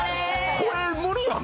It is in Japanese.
これ、無理やな。